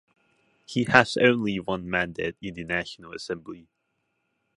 He has only one mandate in the National Assembly.